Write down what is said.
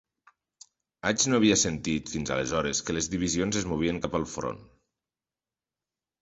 Haig no havia sentit fins aleshores que les divisions es movien cap al front.